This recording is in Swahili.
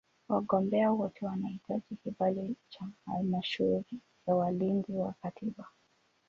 Wagombea wote wanahitaji kibali cha Halmashauri ya Walinzi wa Katiba.